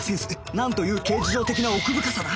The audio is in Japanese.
なんという形而上的な奥深さだ